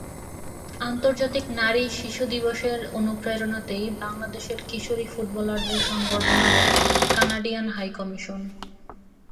আন্তর্জাতিক নারী শিশু দিবসের অনুপ্রেরণাতেই বাংলাদেশের কিশোরী ফুটবলারদের সংবর্ধনা দেয় কানাডিয়ান হাইকমিশন।